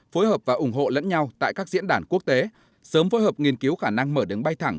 phối hợp và ủng hộ lẫn nhau tại các diễn đàn quốc tế sớm phối hợp nghiên cứu khả năng mở đứng bay thẳng